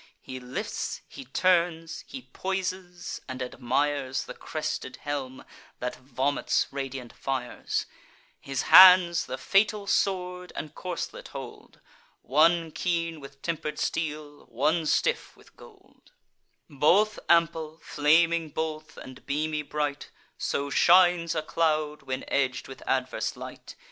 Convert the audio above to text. He lifts, he turns, he poises, and admires The crested helm, that vomits radiant fires: His hands the fatal sword and corslet hold, One keen with temper'd steel, one stiff with gold: Both ample, flaming both, and beamy bright; So shines a cloud, when edg'd with adverse light.